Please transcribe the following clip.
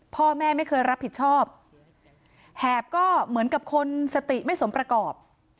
พ่อแม่ไม่เคยรับผิดชอบแหบก็เหมือนกับคนสติไม่สมประกอบ